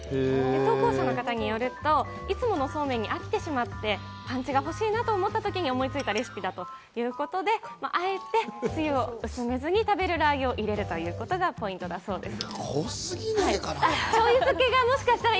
投稿者の方によると、いつものそうめんに飽きてしまって、パンチが欲しいなと思ったときに思いついたレシピだということで、あえて、つゆを薄めずに、食べるラー油を入れることがポイントだ濃過ぎないかな？